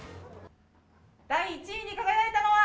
第１位に輝いたのは。